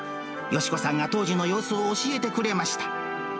良子さんが当時の様子を教えてくれました。